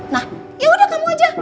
nah ya udah kamu aja